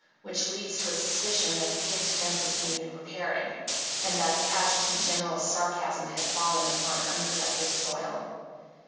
Which leads to a suspicion that the Kid's fences needed repairing, and that the adjutant general's sarcasm had fallen upon unproductive soil.